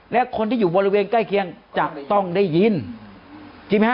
และคนที่อยู่บริเวณใกล้เคียงจะต้องได้ยินจริงไหมฮะ